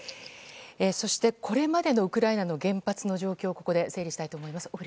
そして、これまでのウクライナの原発の状況をここで整理したいと思います。